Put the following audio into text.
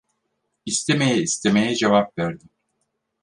İstemeye istemeye cevap verdim.